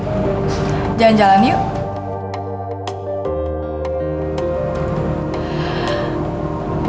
saat apalagi perjalanan wij nasi belakang